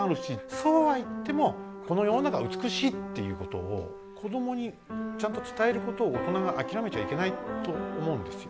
そうは言ってもこの世の中は美しいっていうことを子どもにちゃんと伝えることを大人が諦めちゃいけないと思うんですよ。